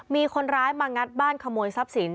มีคนร้ายมางัดบ้านขโมยทรัพย์สิน